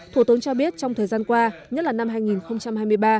thủ tướng cho biết trong thời gian qua nhất là năm hai nghìn hai mươi ba